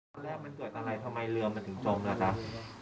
เมื่อแรกเกิดอะไรทำไมเรือมันถึงจมละคะ